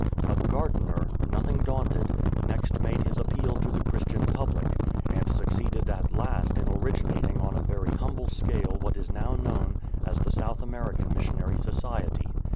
But Gardiner, nothing daunted, next made his appeal to the Christian public, and succeeded at last in originating on a very humble scale what is now known as the South American Missionary Society.